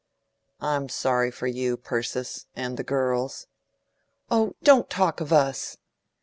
I'm sorry for you, Persis and the girls." "Oh, don't talk of US!"